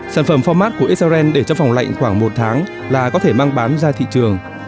sản phẩm format của israel để trong phòng lạnh khoảng một tháng là có thể mang bán ra thị trường